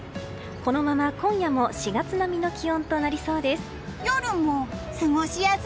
このまま今夜も４月並みの気温となりそうです。